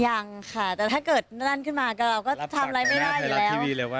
ยังค่ะแต่ถ้าเกิดนั่นขึ้นมาเราก็ทำอะไรไม่ได้อยู่แล้ว